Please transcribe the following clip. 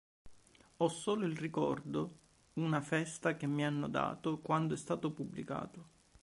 Ho solo il ricordo una festa che mi hanno dato quando è stato pubblicato.